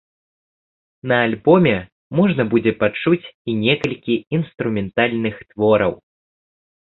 На альбоме можна будзе пачуць і некалькі інструментальных твораў.